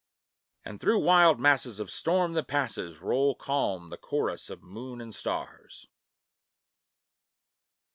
And through wild masses of storm, that passes, Roll calm the chorus of moon and stars.